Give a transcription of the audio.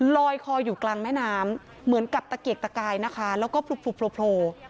ลอยคออยู่กลางแม่น้ำเหมือนกับตะเกียกตะกายนะคะแล้วก็โผล่